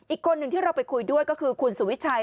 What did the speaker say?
อีกคนหนึ่งที่เราไปคุยด้วยก็คือคุณสุวิชัย